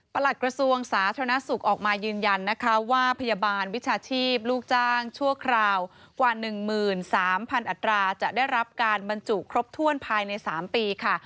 หลักกระทรวงสาธารณสุขออกมายืนยันนะคะว่าพยาบาลวิชาชีพลูกจ้างชั่วคราวกว่า๑๓๐๐๐อัตราจะได้รับการบรรจุครบถ้วนภายใน๓ปีค่ะ